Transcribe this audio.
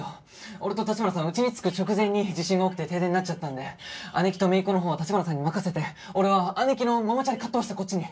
俺と城華さんは家に着く直前に地震が起きて停電になっちゃったんで姉貴と姪っ子のほうは城華さんに任せて俺は姉貴のママチャリかっ飛ばしてこっちに。